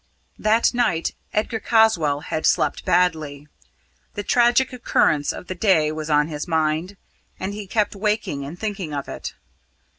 That night Edgar Caswall had slept badly. The tragic occurrence of the day was on his mind, and he kept waking and thinking of it.